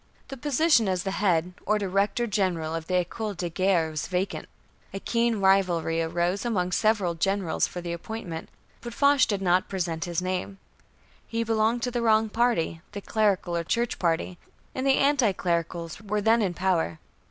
The position as head or Director General of the École de Guerre was vacant. A keen rivalry arose among several Generals for the appointment, but Foch did not present his name. He belonged to the wrong party, the Clerical, or Church Party, and the Anti Clericals were then in power.